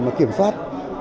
mà kiểm soát